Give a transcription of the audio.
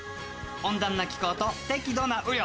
温暖な気候と適度な雨量。